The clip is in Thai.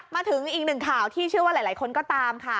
มาถึงอีกหนึ่งข่าวที่เชื่อว่าหลายคนก็ตามค่ะ